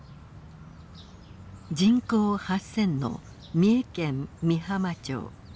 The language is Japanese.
人口８，０００の三重県御浜町。